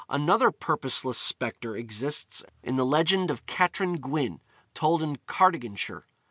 Another purposeless spectre exists in the legend of Catrin Gwyn, told in Cardiganshire.